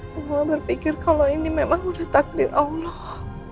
mama berpikir kalau ini memang udah takdir allah